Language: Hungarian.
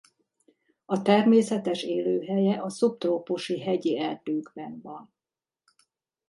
A természetes élőhelye a szubtrópusi hegyi erdőkben van.